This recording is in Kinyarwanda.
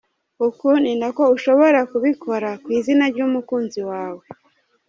" Uku ni nako ushobora kubikora ku izina ry'umukunzi wawe.